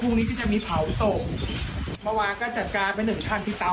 พรุ่งนี้ก็จะมีเผาตกเมื่อวานก็จัดการเป็นหนึ่งท่านที่เตา